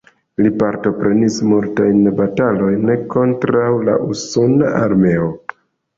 Li partoprenis multajn batalojn kontraŭ la usona armeo.